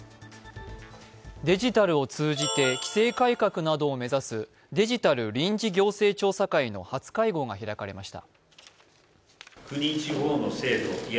デジタルを通じて規制改革などを目指すデジタル臨時行政調査会の初会合が開かれました。